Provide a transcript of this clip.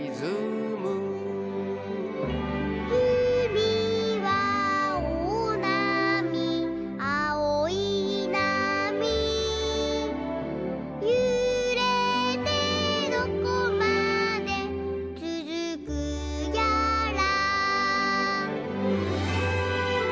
「うみはおおなみあおいなみ」「ゆれてどこまでつづくやら」